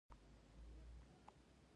د ده قلمرو د ګاونډیو له خوا تهدید وي.